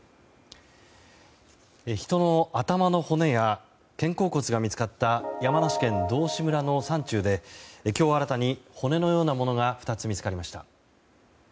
人の頭の骨や肩甲骨が見つかった山梨県道志村の山中で今日新たに骨のようなものが２つ見つかりました。